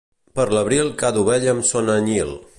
Per l'abril cada ovella amb son anyil.